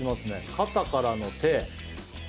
肩からの手。